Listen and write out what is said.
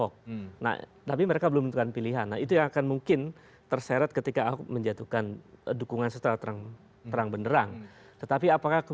karena kita menghormati